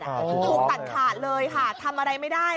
ถูกตัดขาดเลยค่ะทำอะไรไม่ได้